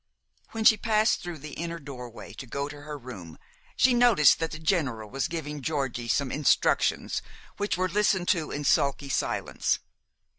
When she passed through the inner doorway to go to her room she noticed that the General was giving Georgie some instructions which were listened to in sulky silence.